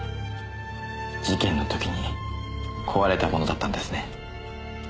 事件の時に壊れたものだったんですね。